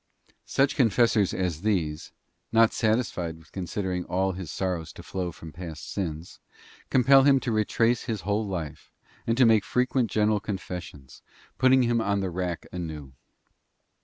Such confessors as these, not satisfied with considering all 4. West of his sorrows to flow from past sins, compel him to retrace his whole life, and to make frequent general confessions, putting him on the rack anew.